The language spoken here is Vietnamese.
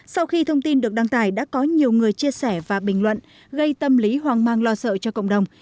sau khi thông tin được đăng tải đã có nhiều người chia sẻ và bình luận gây tâm lý hoang mang lo sợ cho cộng đồng